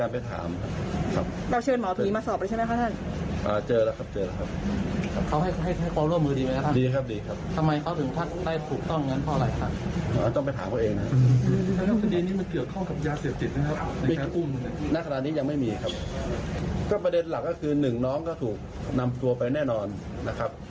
พี่น้องก็ถูกนำตัวไปแน่นอนนะครับ